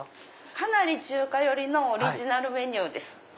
かなり中華寄りのオリジナルメニューです。